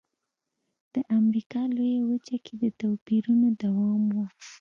د امریکا لویه وچه کې د توپیرونو دوام و.